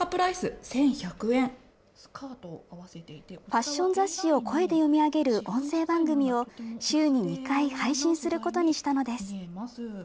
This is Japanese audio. ファッション雑誌を声で読み上げる音声番組を、週に２回配信することにしたのです。